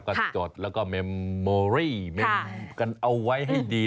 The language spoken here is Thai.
ก็จดแล้วก็เมมโมรี่เอาไว้ให้ดี